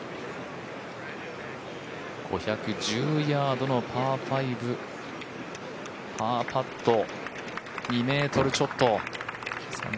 ５１０ヤードのパー５パーパット２ｍちょっと。